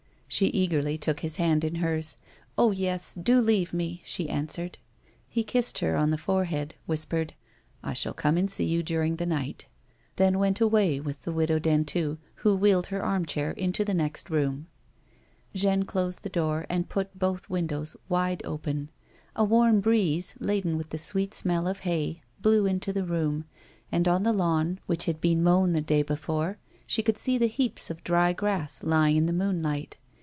She eagerly took his hand in hers ;" Oh, yes ; do leave me," she answered. He kissed her on the forehead, whispered, " I shall come and see you during the night," then went away with the Widow Dentu, who wheeled her armchair into the next room. Jeanne closed the door and put both windows wide open. A warm breeze, laden with the sweet smell of the hay, blew into the room, and on the lawn, which had been mown the day before, she could see the heaps of dry grass lying in the moonlight.